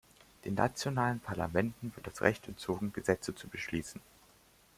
Den nationalen Parlamenten wird das Recht entzogen, Gesetze zu beschließen.